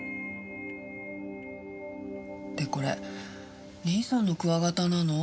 でこれ義兄さんのクワガタなの？